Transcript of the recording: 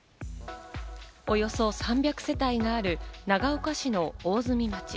およそ３００世帯がある長岡市の大積町。